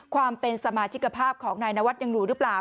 ความเป็นสมาชิกภาพของนายนวัดยังอยู่หรือเปล่า